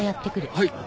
はい？